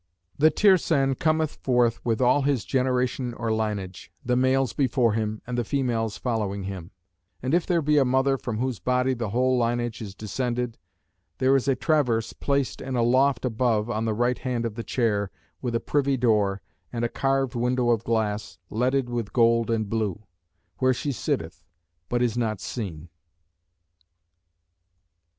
The Tirsan cometh forth with all his generation or linage, the males before him, and the females following him; and if there be a mother from whose body the whole linage is descended, there is a traverse placed in a loft above on the right hand of the chair, with a privy door, and a carved window of glass, leaded with gold and blue; where she sitteth, but is not seen.